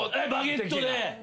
バゲットで。